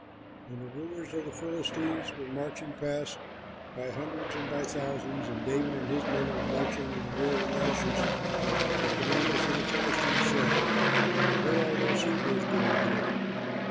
When the rulers of the Philistines were marching past, by hundreds and by thousands, and David and his men were marching in the rear with Achish, the commanders of the Philistines said, "What are those Hebrews doing here?"